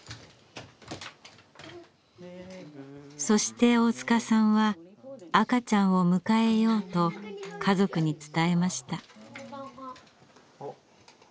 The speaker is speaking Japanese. そして大塚さんは赤ちゃんを迎えようと家族に伝えました。